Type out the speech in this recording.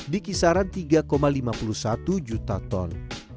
di kisaran tiga lima puluh satu juta ton